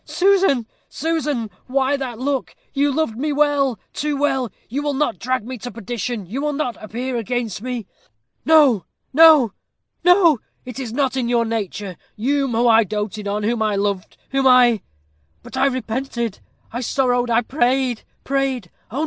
Susan! Susan! why that look? You loved me well too well. You will not drag me to perdition! You will not appear against me! No, no, no it is not in your nature you whom I doted on, whom I loved whom I but I repented I sorrowed I prayed prayed! Oh!